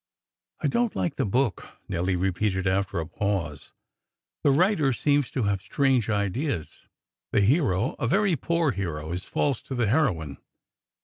"I don't like the book," Nelly repeated, after a pause. "The writer seems to have strange ideas. The hero a very poor hero is false to the heroine.